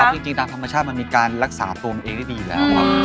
ไม่ครับจริงตามธรรมชาติมันมีการรักษาตัวมันเองดีแล้วครับ